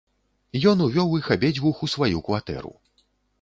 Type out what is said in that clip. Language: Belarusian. Ён увёў іх абедзвюх у сваю кватэру.